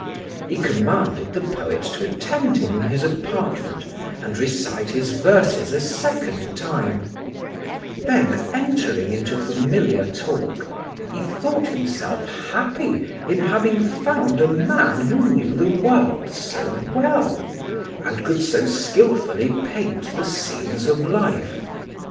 He commanded the poet to attend him in his apartment, and recite his verses a second time; then entering into familiar talk, he thought himself happy in having found a man who knew the world so well, and could so skilfully paint the scenes of life.